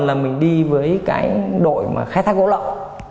là mình đi với cái đội mà khai thác gỗ lậu